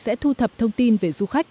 sẽ thu thập thông tin về du khách